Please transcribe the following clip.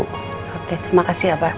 oke terima kasih ya pak